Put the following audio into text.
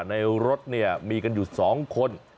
ในรถเนี่ยมีกันอยู่๒คน